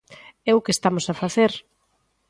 É o que estamos a facer.